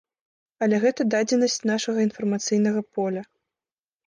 Але гэта дадзенасць нашага інфармацыйнага поля.